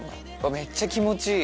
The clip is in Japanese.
めっちゃ気持ちいい。